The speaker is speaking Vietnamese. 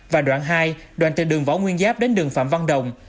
và đoạn hai đoạn từ đường võ nguyên giáp đến đường phạm văn đồng